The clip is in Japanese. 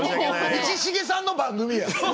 道重さんの番組や。